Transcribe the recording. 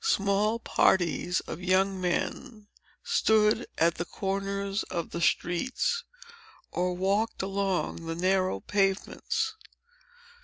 Small parties of young men stood at the corners of the streets, or walked along the narrow pavements.